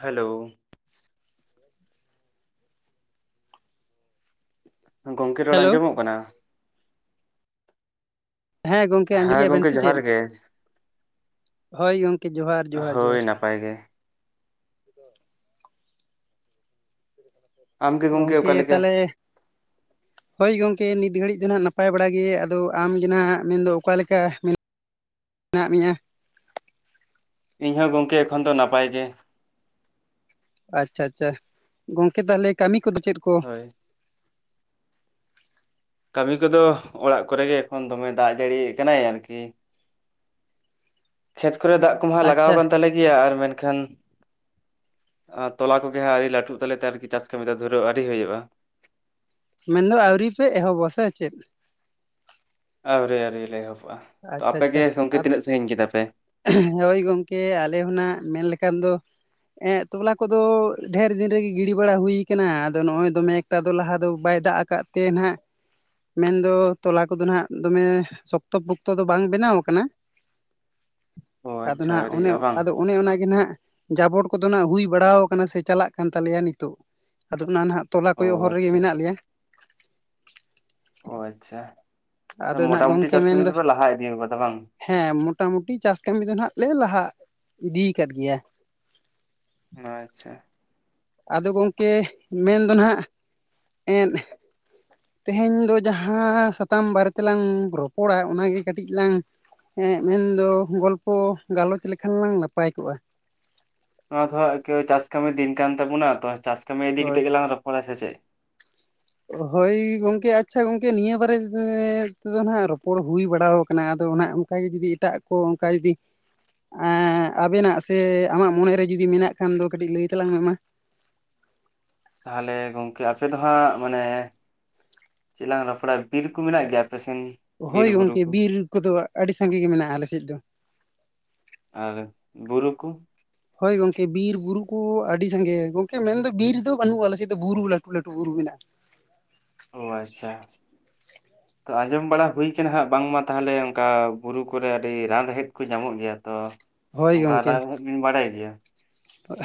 Hello [inaudible] ᱜᱚᱝᱠᱮ ᱨᱚᱲ hello ᱟᱸᱡᱚᱢᱚᱜ ᱠᱟᱱᱟ? ᱦᱮᱸ ᱜᱚᱝᱠᱮ ᱟᱸᱡᱚᱢ ᱦᱮᱸ ᱜᱮᱭᱟᱵᱮᱱ ᱜᱚᱝᱠᱮ ᱥᱮ ᱪᱮᱫ ᱡᱚᱦᱟᱨ ᱜᱮ ᱦᱳᱭ ᱜᱚᱝᱠᱮ ᱡᱚᱦᱟᱨ ᱡᱚᱦᱟᱨ ᱦᱳᱭ ᱡᱚᱦᱟᱨ ᱱᱟᱯᱟᱭ ᱜᱮ᱾ ᱟᱢᱜᱮ ᱜᱚᱝᱠᱮ ᱚᱠᱟ ᱞᱮᱠᱟ ᱦᱳᱭ ᱜᱚᱝᱠᱮ ᱱᱤᱛ ᱜᱷᱟᱹᱲᱤᱡ ᱫᱚ ᱱᱟᱦᱟᱜ ᱱᱟᱯᱟᱭ ᱵᱟᱲᱟ ᱜᱮ ᱟᱫᱚ ᱟᱢ ᱜᱮ ᱱᱟᱜ ᱢᱮᱱᱫᱚ ᱚᱠᱟ ᱞᱮᱠᱟ [inaudible] ᱢᱮᱱᱟᱜ ᱢᱮᱭᱟ ᱤᱧ ᱦᱚᱸ ᱜᱚᱝᱠᱮ ᱮᱠᱷᱚᱱ ᱫᱚ ᱱᱟᱯᱟᱭ ᱜᱮ ᱟᱪᱪᱷᱟ ᱟᱪᱪᱷᱟ ᱜᱚᱝᱠᱮ ᱛᱟᱦᱚᱞᱮ ᱠᱟᱹᱢᱤ ᱠᱚᱫᱚ ᱪᱮᱫ ᱠᱚ [inaudible] ᱠᱟᱹᱢᱤ ᱠᱚᱫᱚ ᱚᱲᱟᱜ ᱠᱚᱨᱮ ᱜᱮ ᱮᱠᱷᱚᱱ ᱫᱚᱢᱮ ᱫᱟᱜ ᱡᱟᱹᱲᱤᱭᱮᱜ ᱠᱟᱱᱟᱭ ᱟᱨᱠᱤ᱾ ᱠᱷᱮᱛ ᱠᱚᱨᱮ ᱫᱟᱜ ᱠᱚᱢᱟᱜ ᱞᱟᱜᱟᱣ ᱟᱪᱪᱷᱟ ᱟᱠᱟᱱ ᱛᱟᱞᱮ ᱜᱮᱭᱟ ᱟᱨ ᱢᱮᱱᱠᱷᱟᱱ ᱟᱸ ᱛᱚᱞᱟ ᱠᱚᱜᱮ ᱦᱟᱸᱜ ᱟᱹᱶᱨᱤ ᱞᱟᱹᱴᱩᱜ ᱛᱟᱞᱮᱛᱮ ᱟᱨᱠᱤ ᱪᱟᱥ ᱠᱟᱹᱢᱤᱫᱟ ᱫᱷᱩᱨᱟᱹᱣ ᱟᱹᱣᱨᱤ ᱦᱩᱭᱩᱜᱼᱟ᱾ ᱢᱮᱱᱫᱚ ᱟᱹᱣᱨᱤ ᱯᱮ ᱮᱦᱚᱵ ᱥᱮᱮ ᱪᱮᱫ? ᱟᱹᱣᱨᱤ ᱟᱹᱣᱨᱤ ᱞᱮ ᱮᱦᱚᱵᱟ, ᱛᱚ ᱟᱪᱪᱷᱟ ᱟᱯᱮᱜ ᱟᱪᱪᱷᱟ ᱜᱮ ᱜᱚᱢᱠᱮ ᱟᱫᱚ ᱛᱤᱱᱟᱹᱜ ᱥᱟᱺᱜᱤᱧ ᱠᱮᱫᱟ ᱯᱮ? ᱦᱳᱭ ᱜᱚᱝᱠᱮ ᱟᱞᱮ ᱦᱚ ᱱᱟᱜ ᱢᱮᱱ ᱞᱮᱠᱷᱟᱱ ᱫᱚ ᱮᱸᱜ ᱛᱚᱞᱟ ᱠᱚᱫᱚ ᱰᱷᱮᱨ ᱫᱤᱱ ᱨᱮᱜᱮ ᱜᱤᱰᱤ ᱵᱟᱲᱟ ᱦᱩᱭ ᱠᱟᱱᱟ ᱟᱫᱚ ᱱᱚᱜᱼᱚᱭ ᱫᱚᱢᱮ [unintelligible] ᱫᱚ ᱞᱟᱦᱟ ᱫᱚ ᱵᱟᱭ ᱫᱟᱜ ᱟᱠᱟᱫ ᱛᱮ ᱱᱟᱦᱟᱜ ᱢᱮᱱᱫᱚ ᱛᱚᱞᱟ ᱠᱚᱫᱚ ᱱᱟᱦᱟᱜ ᱫᱚᱢᱮ ᱥᱚᱠᱛᱚ ᱯᱚ [unintelligible] ᱫᱚ ᱵᱟᱝ ᱵᱮᱱᱟᱣ ᱟᱠᱟᱱᱟ ᱚ ᱟᱫᱚ ᱟᱪᱪᱷᱟ ᱱᱟᱜ ᱚᱱᱮ ᱟᱹᱣᱨᱤᱭᱟᱜᱼᱟ ᱵᱟᱝ? ᱟᱫᱚ ᱚᱱᱮ ᱚᱱᱟᱜ ᱜᱮ ᱱᱟᱦᱟᱜ ᱡᱟᱵᱚᱨ ᱠᱚᱫᱚ ᱱᱟᱜ ᱦᱩᱭ ᱵᱟᱲᱟᱶ ᱠᱟᱱᱟ ᱥᱮ ᱪᱟᱞᱟᱜ ᱠᱟᱱ ᱛᱟᱞᱮᱭᱟ ᱱᱤᱛᱚᱜ᱾ ᱟᱫᱚ ᱚᱱᱟ ᱱᱟᱦᱟᱜ ᱛᱚᱞᱟ ᱚ ᱠᱚᱭᱚᱜ ᱦᱚᱨ ᱨᱮᱜᱮ ᱟᱪᱪᱷᱟ ᱢᱮᱱᱟᱜ ᱞᱮᱭᱟ᱾ ᱚ ᱟᱪᱪᱷᱟ, ᱟᱫᱚ ᱢᱚᱴᱟ ᱱᱟᱜ ᱢᱩᱴᱤ ᱜᱚᱝᱠᱮ ᱪᱟᱥ ᱠᱟᱹᱢᱤ ᱢᱮᱱᱫᱚ ᱫᱚᱯᱮ ᱞᱟᱦᱟ ᱤᱫᱤᱶ ᱟᱠᱟᱫᱟ ᱵᱟᱝ? ᱦᱮᱸ ᱢᱚᱴᱟ ᱢᱩᱴᱤ ᱪᱟᱥ ᱠᱟᱹᱢᱤ ᱫᱚ ᱱᱟᱜ ᱞᱮ ᱞᱟᱦᱟ ᱤᱫᱤ ᱠᱟᱫ ᱜᱮᱭᱟ᱾ ᱟᱪᱪᱷᱟ᱾ ᱟᱫᱚ ᱜᱚᱢᱠᱮ ᱢᱮᱱᱫᱚ ᱱᱟᱜ ᱮᱸᱫ ᱛᱮᱦᱮᱧ ᱫᱚ ᱡᱟᱸᱦᱟᱸ ᱥᱟᱛᱟᱢ ᱵᱟᱨᱮ ᱛᱮᱞᱟᱝ ᱨᱚᱯᱚᱲᱟ ᱚᱱᱟᱜᱮ ᱠᱟᱹᱴᱤᱡ ᱞᱟᱝ ᱦᱮᱸ ᱢᱮᱱᱫᱚ ᱜᱚᱞᱯᱚ ᱜᱟᱞᱚᱪ ᱞᱮᱠᱷᱟᱱ ᱞᱟᱝ ᱱᱟᱯᱟᱭ ᱠᱚᱜᱼᱟ᱾ ᱱᱚᱣᱟ ᱫᱚ ᱦᱟᱜ [inaudible] ᱪᱟᱥ ᱠᱟᱹᱢᱤ ᱫᱤᱱ ᱠᱟᱱ ᱛᱟᱵᱩᱱᱟ ᱛᱚ ᱪᱟᱥ ᱠᱟᱹᱢᱤ ᱤᱫᱤ ᱠᱟᱛᱮ ᱦᱳᱭ ᱜᱮᱞᱟᱝ ᱨᱚᱯᱚᱲᱟ ᱥᱮ ᱪᱮᱫ? ᱦᱳᱭ ᱜᱚᱢᱠᱮ ᱟᱪᱪᱷᱟ ᱜᱚᱝᱠᱮ ᱱᱤᱭᱟᱹ ᱵᱟᱨᱮ ᱛᱮᱫᱚ ᱱᱟᱦᱟᱜ ᱨᱚᱯᱚᱲ ᱦᱩᱭ ᱵᱟᱲᱟᱣ ᱠᱟᱱᱟ ᱟᱫᱚ [inaudible] ᱚᱱᱠᱟ ᱜᱮ ᱡᱩᱫᱤ ᱮᱴᱟᱜ ᱠᱚ ᱚᱱᱠᱟᱭ ᱤᱫᱤ ᱟᱵᱮᱱᱟᱜ ᱥᱮ ᱟᱢᱟᱜ ᱢᱚᱱᱮᱨᱮ ᱡᱩᱫᱤ ᱢᱮᱱᱟᱜ ᱠᱷᱟᱱ ᱫᱚ ᱠᱟᱹᱴᱤᱡ ᱞᱟᱹᱭ ᱛᱟᱞᱟᱝ ᱢᱮ ᱢᱟ᱾ ᱛᱟᱦᱟᱞᱮ ᱜᱚᱢᱠᱮ ᱟᱯᱮ ᱫᱚ ᱦᱟᱸᱜ ᱢᱟᱱᱮ ᱪᱮᱫᱞᱟᱝ ᱨᱚᱯᱚᱲᱟ ᱵᱤᱨ ᱠᱩ ᱢᱮᱱᱟᱜ ᱜᱮᱭᱟ ᱟᱯᱮ ᱥᱮᱱ? ᱵᱤᱨ ᱦᱳᱭ ᱵᱩᱨᱩ ᱜᱚᱢᱠᱮ ᱠᱚ ᱵᱤᱨ ᱠᱚᱫᱚ ᱟᱹᱰᱤ ᱥᱟᱸᱜᱤ ᱜᱮ ᱢᱮᱱᱟᱜᱼᱟ ᱟᱞᱮ ᱥᱮᱫ ᱫᱚ᱾ ᱟᱨ ᱵᱩᱨᱩ ᱠᱩ ᱦᱳᱭ ᱜᱚᱢᱠᱮ ᱵᱤᱨ ᱵᱩᱨᱩ ᱠᱩ ᱟᱹᱰᱤ ᱥᱟᱸᱜᱮ ᱜᱚᱝᱠᱮ ᱢᱮᱱᱫᱚ ᱵᱤᱨ ᱫᱚ ᱵᱟᱹᱱᱩᱜ-ᱟ ᱟᱞᱮ ᱥᱮᱫ ᱫᱚ ᱵᱩᱨᱩ ᱞᱟᱹᱴᱩ ᱞᱟᱹᱴᱩ ᱵᱩᱨᱩ ᱢᱮᱱᱟᱜ-ᱟ ᱾ ᱳ ᱟᱪᱪᱷᱟ᱾ ᱛᱚ ᱟᱸᱡᱚᱢ ᱵᱟᱲᱟ ᱦᱩᱭ ᱠᱟᱱᱟ ᱦᱟᱸᱜ ᱵᱟᱝᱢᱟ ᱛᱟᱦᱚᱞᱮ ᱚᱱᱠᱟ ᱵᱩᱨᱩ ᱠᱚᱨᱮ ᱟᱹᱰᱤ ᱨᱟᱱ ᱨᱮᱦᱮᱫ ᱠᱩ ᱧᱟᱢᱚᱜ ᱜᱮᱭᱟ ᱛᱚ? ᱦᱳᱭ ᱚᱱᱠᱟ ᱜᱚᱝᱠᱮ ᱨᱟᱱ [inaudible] ᱵᱟᱲᱟᱭ‌ ᱜᱤᱭᱟ᱾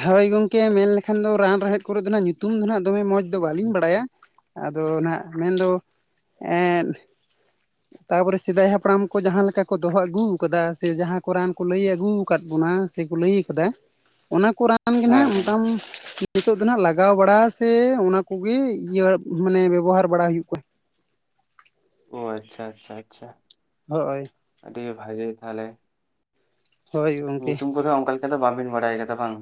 ᱦᱳᱭ ᱜᱚᱝᱠᱮ ᱢᱮᱱᱞᱮᱠᱷᱟᱱ ᱫᱚ ᱨᱟᱱ ᱨᱮᱦᱮᱫ ᱠᱚᱨᱮ ᱫᱚ ᱱᱟᱜ ᱧᱩᱛᱩᱢ ᱫᱚ ᱱᱟᱜ ᱫᱚᱢᱮ ᱢᱚᱸᱡᱽ ᱫᱚ ᱵᱟᱹᱞᱤᱧ ᱵᱟᱲᱟᱭᱟ᱾ ᱟᱫᱚ ᱱᱟᱜ ᱢᱮᱱᱫᱚ ᱮᱸᱫ ᱛᱟᱯᱚᱨᱮ ᱥᱮᱫᱟᱭ ᱦᱟᱯᱲᱟᱢ ᱠᱚ ᱡᱟᱦᱟᱸ ᱞᱮᱠᱟ ᱠᱚ ᱫᱚᱦᱚ ᱟᱹᱜᱩ ᱟᱠᱟᱫᱟ ᱥᱮ ᱡᱟᱦᱟᱸ ᱠᱚ ᱨᱟᱱ ᱠᱚ ᱞᱟᱹᱭ ᱟᱹᱜᱩ ᱟᱠᱟᱫ ᱵᱚᱱᱟ [unintelligible] ᱞᱟᱹᱭ ᱠᱟᱫᱟ ᱚᱱᱟ ᱠᱚ ᱨᱟᱱ ᱜᱮ ᱦᱮᱸ ᱦᱮᱸ ᱦᱟᱜ [unintelligible] ᱱᱤᱛᱚᱜ ᱫᱚ ᱱᱟᱦᱟᱜ ᱞᱟᱜᱟᱣ ᱵᱟᱲᱟ ᱥᱮ ᱚᱱᱟ ᱠᱚᱜᱮ ᱤᱭᱟᱹ ᱢᱟᱱᱮ ᱵᱮᱵᱽᱦᱟᱨ ᱵᱟᱲᱟ ᱦᱩᱭᱩᱜ ᱠᱟᱱᱟ ᱚ ᱟᱪᱪᱷᱟ ᱟᱪᱪᱷᱟ ᱟᱪᱪᱷᱟ ᱦᱳᱭ ᱟᱹᱰᱤ ᱵᱷᱟᱜᱮ ᱛᱟᱦᱚᱞᱮ ᱦᱳᱭ ᱜᱚᱝᱠᱮ ᱧᱩᱛᱩᱢ ᱠᱚᱫᱚ ᱚᱝᱠᱟ ᱫᱚ ᱵᱟᱵᱮᱱ ᱵᱟᱲᱟᱭ ᱠᱟᱫᱟ ᱵᱟᱝ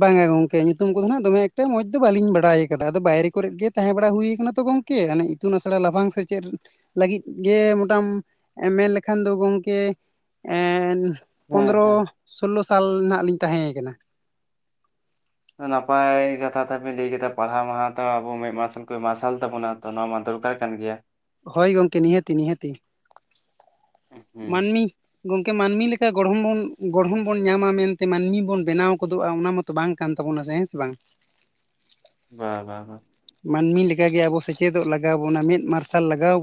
ᱵᱟᱝᱟ ᱜᱚᱢᱠᱮ ᱧᱩᱛᱩᱢ ᱠᱚᱫᱚ ᱦᱟᱸᱜ ᱫᱚᱢᱮ ᱮᱠᱴᱟ ᱢᱚᱸᱡᱽ ᱫᱚ ᱵᱟᱹᱞᱤᱧ ᱵᱟᱲᱟᱭ ᱟᱠᱟᱫᱟ ᱟᱫᱚ ᱵᱟᱭᱨᱮ ᱠᱚᱨᱮ ᱜᱮ ᱛᱟᱦᱮᱸ ᱵᱟᱲᱟ ᱦᱩᱭ ᱟᱠᱟᱱᱟ ᱛᱚ ᱠᱮ ᱚᱱᱮ ᱤᱛᱩᱱ ᱟᱥᱲᱟ ᱞᱟᱯᱷᱟᱝ ᱥᱮᱪᱮᱫ ᱞᱟᱹᱜᱤᱫ ᱜᱮ ᱢᱳᱴᱟᱢᱼ ᱢᱮᱱ ᱞᱮᱠᱷᱟᱱ ᱫᱚ ᱜᱚᱢᱠᱮ ᱮ ᱦᱮᱸ ᱯᱚᱱᱫᱽᱨᱚ ᱦᱮᱸ ᱥᱳᱞᱞᱳ ᱥᱟᱞ ᱱᱟᱦᱟᱸᱜ ᱞᱤᱧ ᱛᱟᱦᱮᱸᱭ ᱟᱠᱟᱱᱟ ᱱᱟᱯᱟᱭ ᱠᱟᱛᱷᱟ ᱛᱮᱵᱤᱱ ᱞᱟᱹᱭ ᱠᱮᱫᱟ ᱯᱟᱲᱦᱟᱣ ᱦᱟᱛᱟᱣ ᱛᱚ ᱟᱵᱚ ᱢᱮᱫ ᱢᱟᱨᱥᱟᱞ ᱠᱚ ᱢᱟᱨᱥᱟᱞ ᱛᱟᱵᱚᱱᱟ ᱛᱚ ᱱᱚᱣᱟ ᱢᱟ ᱫᱚᱨᱠᱟᱨ ᱠᱟᱱ ᱜᱮᱭᱟ᱾ ᱦᱳᱭ ᱜᱚᱢᱠᱮ ᱱᱤᱦᱟᱹᱛᱤ ᱱᱤᱦᱟᱹᱛᱤ᱾ ᱦᱩᱸ ᱢᱟᱹᱱᱢᱤ ᱜᱚᱢᱠᱮ ᱢᱟᱹᱱᱢᱤ ᱞᱮᱠᱟ ᱜᱚᱲᱦᱚᱢ ᱵᱚᱱ ᱜᱚᱲᱦᱚᱱ ᱵᱚᱱ ᱧᱟᱢᱟ ᱢᱮᱱᱛᱮ ᱢᱟᱹᱱᱢᱤ ᱵᱚᱱ ᱵᱮᱱᱟᱣ ᱜᱚᱫᱚᱜᱼᱟ ᱚᱱᱟ ᱛᱚ ᱵᱟᱝ ᱠᱟᱱ ᱛᱟᱵᱚᱱᱟ ᱦᱮ ᱦᱮᱸ ᱥᱮ ᱵᱟᱝ ᱵᱟ ᱵᱟ ᱵᱟ ᱢᱟᱹᱱᱢᱤ ᱞᱮᱠᱟᱜᱮ ᱟᱵᱚ ᱥᱮᱪᱮᱫᱚᱜ ᱞᱟᱜᱟᱣ ᱵᱚᱱᱟ ᱢᱮᱫ ᱢᱟᱨᱥᱟᱞ ᱞᱟᱜᱟᱣ ᱵᱚ